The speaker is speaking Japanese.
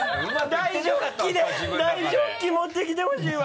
大ジョッキ持ってきてほしいわ。